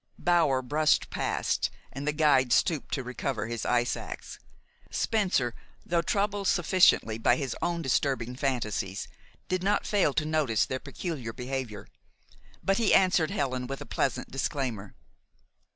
Bower brushed past, and the guide stooped to recover his ice ax. Spencer, though troubled sufficiently by his own disturbing fantasies, did not fail to notice their peculiar behavior. But he answered Helen with a pleasant disclaimer.